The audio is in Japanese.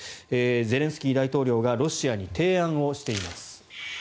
ゼレンスキー大統領がロシアに提案をしています。